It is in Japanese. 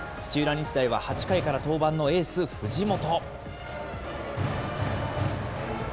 日大は８回から登板のエース、藤本。